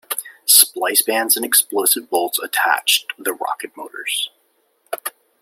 Splice bands and explosive bolts attached the rocket motors.